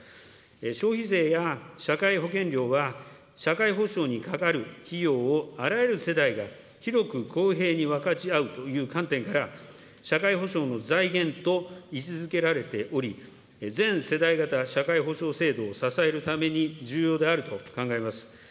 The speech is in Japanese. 消費税や社会保険料は、社会保障にかかる費用をあらゆる世代が、広く公平に分かち合うという観点から、社会保障の財源と位置づけられており、全世代型社会保障制度を支えるために重要であると考えます。